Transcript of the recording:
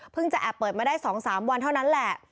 จะแอบเปิดมาได้๒๓วันเท่านั้นแหละ